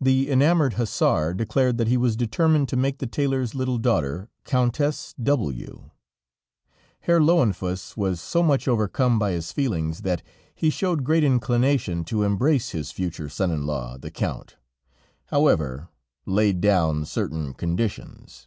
The enamored hussar declared that he was determined to make the tailor's little daughter, Countess W . Herr Löwenfuss was so much overcome by his feelings, that he showed great inclination to embrace his future son in law, The Count, however, laid down certain conditions.